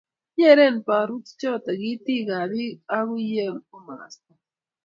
Nyeren barutichoto itikab biik akuyei komakasta